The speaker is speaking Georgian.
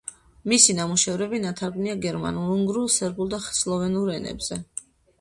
მისი ნამუშევრები ნათარგმნია გერმანულ, უნგრულ, სერბულ და სლოვენურ ენებზე.